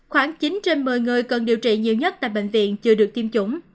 khoảng chín trên một mươi người cần điều trị nhiều nhất tại bệnh viện chưa được tiêm chủng